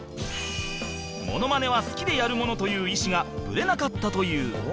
モノマネは好きでやるものという意志がブレなかったという